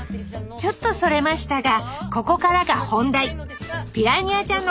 ちょっとそれましたがここからが本題。